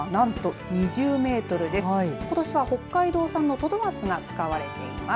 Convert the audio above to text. ことしは北海道産のトドマツが使われています。